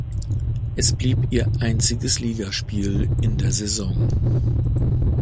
Es blieb ihr einziges Ligaspiel in der Saison.